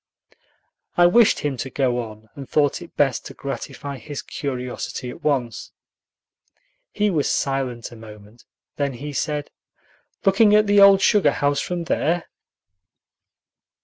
I wished him to go on, and thought it best to gratify his curiosity at once. He was silent a moment; then he said, "Looking at the old sugar house from there?"